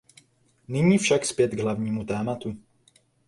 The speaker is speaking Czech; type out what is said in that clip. Nyní však zpět k hlavnímu tématu.